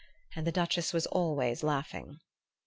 And the Duchess was always laughing.